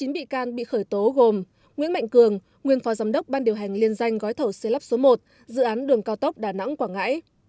chín bị can bị khởi tố gồm nguyễn mạnh cường nguyên phó giám đốc ban điều hành liên danh gói thẩu xế lắp số một dự án đường cao tốc đà nẵng quảng ngãi